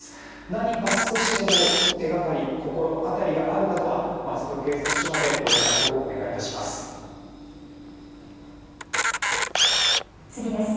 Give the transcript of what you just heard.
何か少しでも手掛かり、心当たりがある方は松戸警察署までご連絡お願いします。